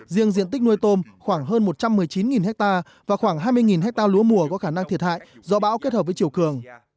riêng diện tích nuôi tôm khoảng hơn một trăm một mươi chín ha và khoảng hai mươi hectare lúa mùa có khả năng thiệt hại do bão kết hợp với chiều cường